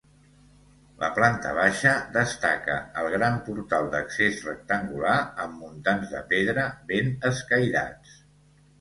La planta baixa destaca el gran portal d’accés rectangular amb muntants de pedra ben escairats.